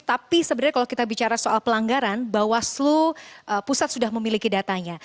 tapi sebenarnya kalau kita bicara soal pelanggaran bawaslu pusat sudah memiliki datanya